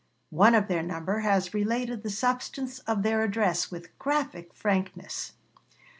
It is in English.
One of their number has related the substance of their address with graphic frankness: Hon. Wm.